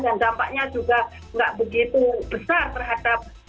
dan dampaknya juga tidak begitu besar terhadap